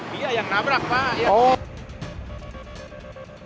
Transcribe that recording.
dia yang nabrak pak